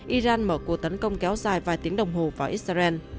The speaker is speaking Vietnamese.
iran mở cuộc tấn công kéo dài vài tiếng đồng hồ vào israel